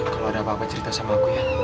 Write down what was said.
kalau ada apa apa cerita sama aku ya